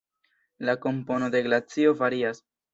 La kompono de glacio varias.